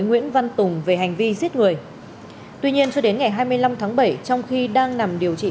nguyễn văn tùng về hành vi giết người tuy nhiên cho đến ngày hai mươi năm tháng bảy trong khi đang nằm điều trị